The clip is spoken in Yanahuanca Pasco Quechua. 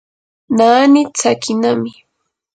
naani tsakinami.